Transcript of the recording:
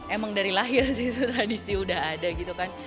emang dari lahir sih tradisi udah ada gitu kan